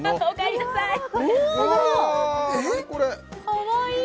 かわいい！